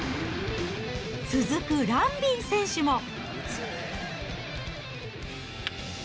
続くランビン選手も。